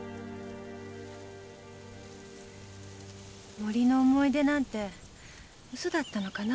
森の思い出なんて嘘だったのかな。